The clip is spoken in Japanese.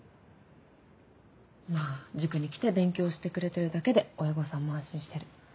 まぁ塾に来て勉強してくれてるだけで親御さんも安心してる。